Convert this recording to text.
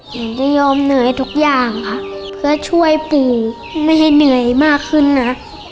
หนูจะยอมเหนื่อยทุกอย่างค่ะเพื่อช่วยปู่ไม่ให้เหนื่อยมากขึ้นนะ